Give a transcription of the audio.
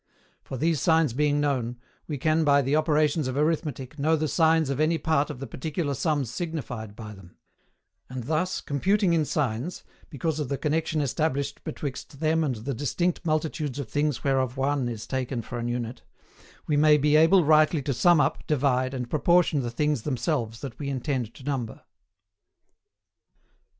For, these signs being known, we can by the operations of arithmetic know the signs of any part of the particular sums signified by them; and, thus computing in signs (because of the connexion established betwixt them and the distinct multitudes of things whereof one is taken for an unit), we may be able rightly to sum up, divide, and proportion the things themselves that we intend to number.